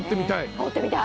掘ってみたい！